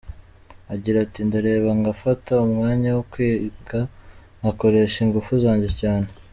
Agira ati “Ndareba ngafata umwanya wo kwiga, ngakoresha ingufu zanjye cyane.